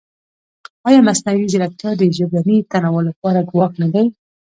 ایا مصنوعي ځیرکتیا د ژبني تنوع لپاره ګواښ نه دی؟